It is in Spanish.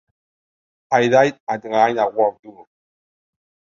I Did It Again World Tour.